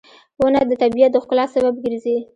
• ونه د طبیعت د ښکلا سبب ګرځي.